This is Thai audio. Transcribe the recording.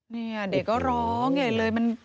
เฮียเด็กก็ร้องอย่างนี้เลย